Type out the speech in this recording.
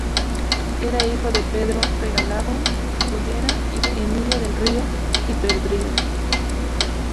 Era hijo de Pedro Regalado Goyena y de Emilia del Río y Perdriel.